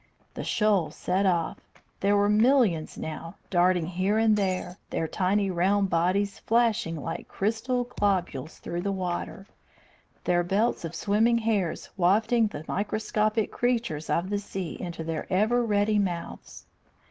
The shoal set off. There were millions now, darting here and there, their tiny round bodies flashing like crystal globules through the water, their belts of swimming hairs wafting the microscopic creatures of the sea into their ever ready mouths.